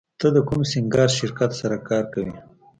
ته د کوم سینګار شرکت سره کار کوې